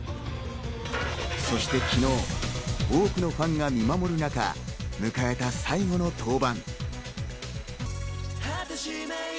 そして昨日多くのファンが見守る中、迎えた最後の登板。